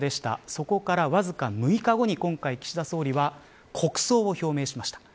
そこからわずか６日後に今回、岸田総理は国葬を表明しました。